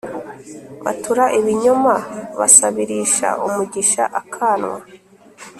Batura ibinyoma Basabirisha umugisha akanwa.